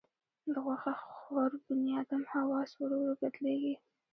د غوښه خور بنیادم حواس ورو ورو بدلېږي.